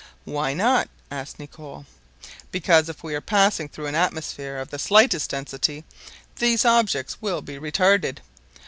"Why not?" asked Nicholl. "Because, if we are passing through an atmosphere of the slightest density, these objects will be retarded.